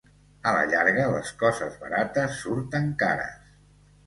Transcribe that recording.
A la llarga, les coses barates surten cares.